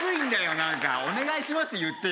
何か「お願いします」って言ってよ